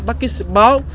bắc kinh bóng